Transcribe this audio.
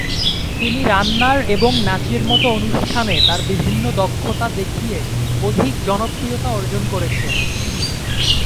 তিনি রান্নার এবং নাচের মতো অনুষ্ঠানে তার বিভিন্ন দক্ষতা দেখিয়ে অধিক জনপ্রিয়তা অর্জন করেছেন।